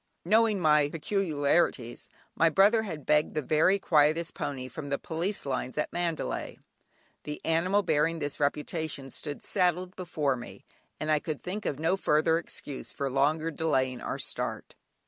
Knowing my peculiarities, my brother had begged the very quietest pony from the police lines at Mandalay, the animal bearing this reputation stood saddled before me, and I could think of no further excuse for longer delaying our start.